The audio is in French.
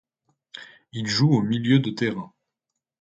Il joue au milieu de terrain.